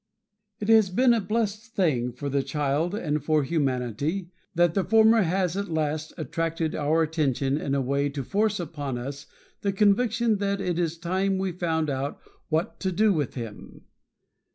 It has been a blessed thing for the child and for humanity that the former has at last attracted our attention in a way to force upon us the conviction that it is time we found out what to do with him.